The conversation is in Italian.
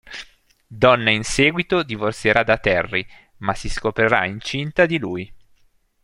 Donna in seguito divorzierà da Terry, ma si scoprirà incinta di lui.